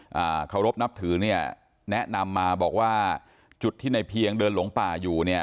อ่าเคารพนับถือเนี่ยแนะนำมาบอกว่าจุดที่ในเพียงเดินหลงป่าอยู่เนี่ย